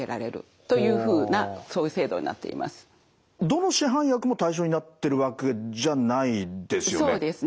どの市販薬も対象になってるわけじゃないですよね？